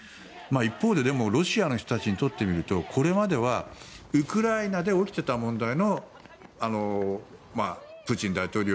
一方で、ロシアの人たちにとってみると、これまではウクライナで起きてた問題のプーチン大統領